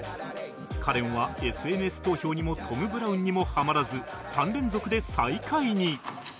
カレンは ＳＮＳ 投票にもトム・ブラウンにもはまらず３連続で最下位に